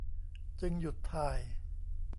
จึงหยุดถ่าย